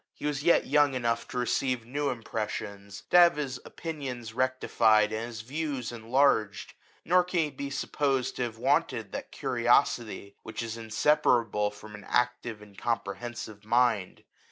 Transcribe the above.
He was yet young enough to receive new impressions, to have his opinions rectified, and his views enlarged ; nor can he be supposed to have wanted that curiosity which is inseparable from an active and comprehensive mind.